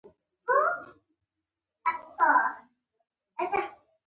د ځینو خولۍ خو دومره ورباندې غټې وې چې پر غوږو یې را ځړېدلې.